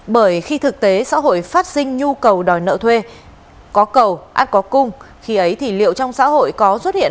bởi khi thực tế xã hội phát sinh nhu cầu đòi nợ thuê có cầu ai có cung khi ấy thì liệu trong xã hội có xuất hiện